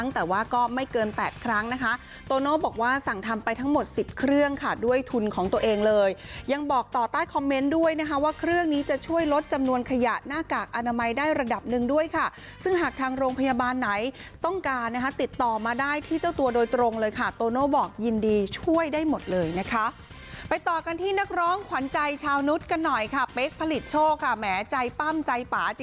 แต่ว่าก็ไม่เกิน๘ครั้งนะคะโตโน่บอกว่าสั่งทำไปทั้งหมด๑๐เครื่องค่ะด้วยทุนของตัวเองเลยยังบอกต่อใต้คอมเมนต์ด้วยนะคะว่าเครื่องนี้จะช่วยลดจำนวนขยะหน้ากากอนามัยได้ระดับหนึ่งด้วยค่ะซึ่งหากทางโรงพยาบาลไหนต้องการนะคะติดต่อมาได้ที่เจ้าตัวโดยตรงเลยค่ะโตโน่บอกยินดีช่วยได้หมดเลยนะคะไปต่อกันที่นักร้องขวัญใจชาวนุษย์กันหน่อยค่ะเป๊กผลิตโชคค่ะแหมใจปั้มใจป